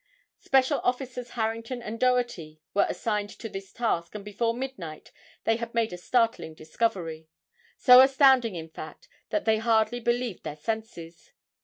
Special officers Harrington and Doherty were assigned to this task and before midnight they had made a startling discovery. So astounding in fact, that they hardly believed their senses.